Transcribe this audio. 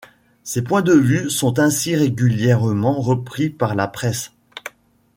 Ses points de vue sont ainsi régulièrement repris par la presse.